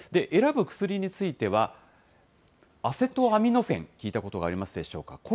選ぶ薬については、アセトアミノフェン、聞いたことありますでしょうか。